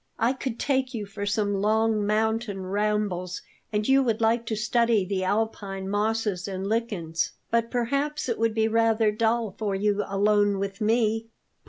I could take you for some long mountain rambles, and you would like to study the Alpine mosses and lichens. But perhaps it would be rather dull for you alone with me?"